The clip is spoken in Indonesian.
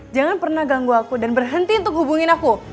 jangan pernah ganggu aku dan berhenti untuk hubungin aku